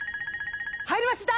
入りました！